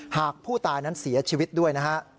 หากผู้ตายนั้นเสียชีวิตด้วยนะฮะ